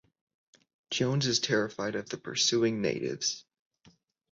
Jones is terrified of the pursuing natives.